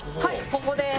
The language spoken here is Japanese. ここで。